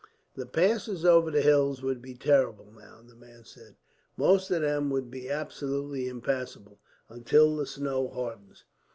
"The passes over the hills would be terrible, now," the man said. "Most of them would be absolutely impassable, until the snow hardens.